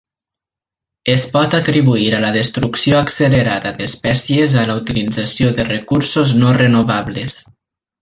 Es pot atribuir a la destrucció accelerada d'espècies a la utilització de recursos no renovables.